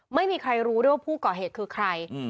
ไม่มีใครรู้ด้วยว่าผู้ก่อเหตุคือใคร